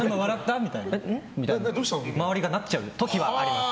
周りがなっちゃう時はあります。